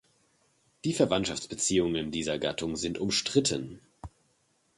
Die Verwandtschaftsbeziehungen dieser Gattung sind umstritten.